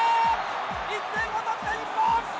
１点を取った日本！